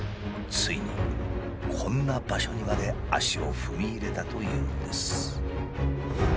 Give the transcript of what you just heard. ついにこんな場所にまで足を踏み入れたというんです。